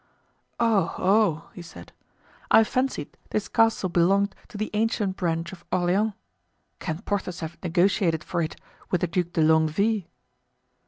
"Oh! oh!" he said, "I fancied this castle belonged to the ancient branch of Orleans. Can Porthos have negotiated for it with the Duc de Longueville?"